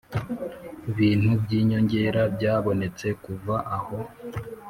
bintu by inyongera byabonetse kuva aho